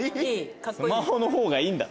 スマホの方がいいんだ。